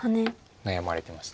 悩まれてました。